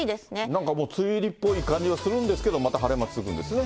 なんかもう、梅雨入りっぽい感じはするんですけど、また晴れ間続くんですね。